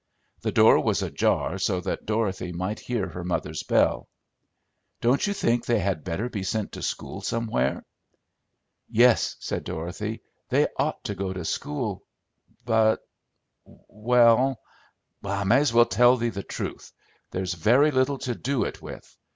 The door was ajar so that Dorothy might hear her mother's bell. "Don't you think they had better be sent to school somewhere?" "Yes," said Dorothy, "they ought to go to school, but well, I may as well tell thee the truth. There's very little to do it with.